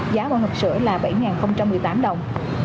giá mua hộp sữa là bảy một mươi tám đồng